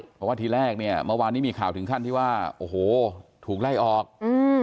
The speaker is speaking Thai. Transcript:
เพราะว่าทีแรกเนี่ยเมื่อวานนี้มีข่าวถึงขั้นที่ว่าโอ้โหถูกไล่ออกอืม